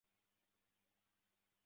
中世纪因锡矿开采和贸易而繁荣。